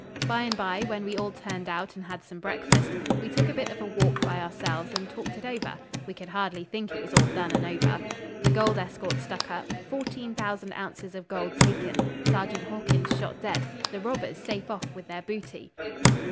By and by, when we all turned out and had some breakfast, we took a bit of a walk by ourselves and talked it over. We could hardly think it was all done and over. 'The gold escort stuck up. Fourteen thousand ounces of gold taken. Sergeant Hawkins shot dead. The robbers safe off with their booty.'